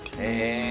へえ。